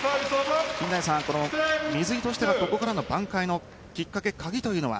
水井としては挽回のきっかけ鍵というのは？